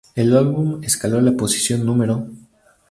El álbum escaló a la posición No.